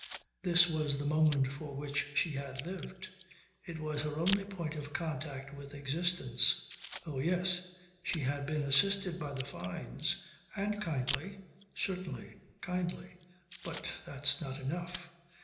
This was the moment for which she had lived. It was her only point of contact with existence. Oh yes. She had been assisted by the Fynes. And kindly. Certainly. Kindly. But that's not enough.